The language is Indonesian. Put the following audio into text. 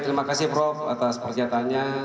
terima kasih prof atas pernyataannya